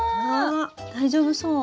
大丈夫そう。